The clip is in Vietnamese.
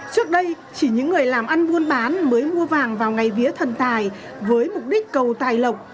trước đây chỉ những người làm ăn buôn bán mới mua vàng vào ngày vía thần tài với mục đích cầu tài lộc